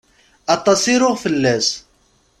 Aṭas i ruɣ fell-as.